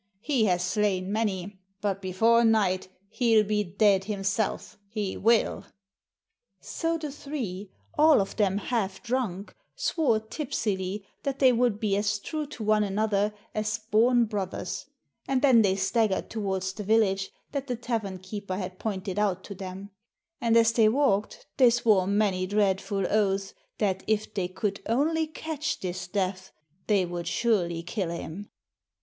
He has slain many, but before night he '11 be dead himself, he will." So the three, all of them half drunk, swore tipsily that they would be as true to one another as born brothers, and then they staggered toward the vil lage that the tavern keeper had pointed out to them; and as they walked they swore many dreadful oaths that if they could only catch this Death, they would surely kill him.